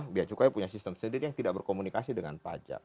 biasanya punya sistem sendiri yang tidak berkomunikasi dengan pajak